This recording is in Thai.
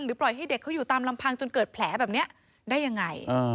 ปล่อยให้เด็กเขาอยู่ตามลำพังจนเกิดแผลแบบนี้ได้ยังไง